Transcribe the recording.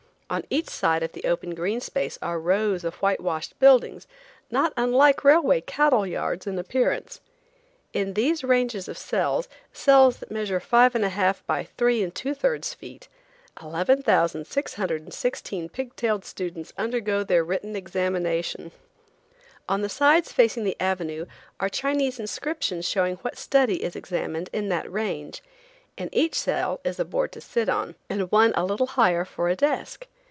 On each side of the open green space are rows of whitewashed buildings, not unlike railway cattle yards in appearance. In these ranges of cells, cells that measure 5 1/2 by 3 2/3 feet, 11,616 pig tailed students undergo their written examination. On the sides facing the avenue are Chinese inscriptions showing what study is examined in that range. In each cell is a board to sit on, and one a little higher for a desk.